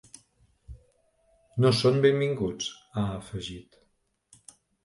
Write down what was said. No són benvinguts, ha afegit.